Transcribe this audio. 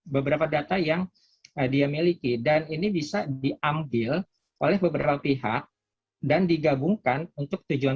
beberapa data yang dia miliki dan ini bisa diambil oleh beberapa pihak dan digabungkan untuk tujuan